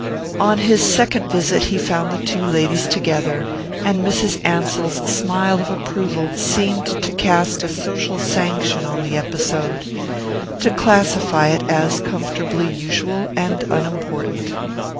On his second visit he found the two ladies together, and Mrs. Ansell's smile of approval seemed to cast a social sanction on the episode, to classify it as comfortably usual and unimportant.